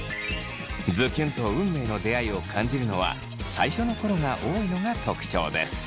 ズキュンと運命の出会いを感じるのは最初の頃が多いのが特徴です。